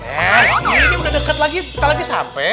eh ini udah deket lagi sekali lagi sampai